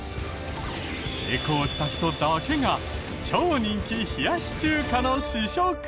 成功した人だけが超人気冷やし中華の試食。